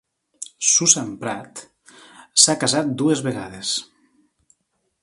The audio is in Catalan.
Susan Pratt s'ha casat dues vegades.